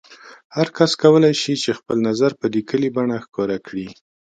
هر کس کولای شي چې خپل نظر په لیکلي بڼه ښکاره کړي.